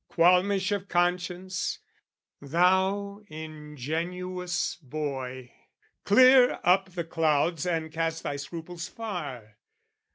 "Qualmish of conscience? Thou ingenuous boy! "Clear up the clouds and cast thy scruples far!